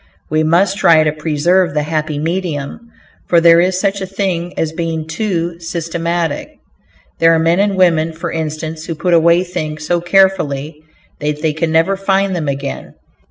We must try to preserve the happy medium, for there is such a thing as being too systematic. There are men and women, for instance, who put away things so carefully that they can never find them again.